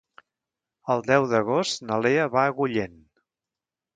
El deu d'agost na Lea va a Agullent.